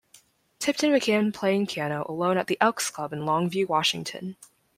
Tipton began playing piano alone at the Elks club in Longview, Washington.